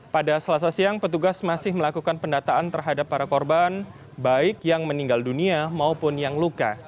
pada selasa siang petugas masih melakukan pendataan terhadap para korban baik yang meninggal dunia maupun yang luka